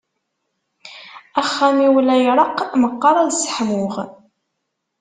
Axxam-iw la iṛeqq, meqqaṛ ad sseḥmuɣ.